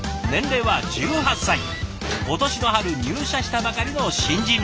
今年の春入社したばかりの新人。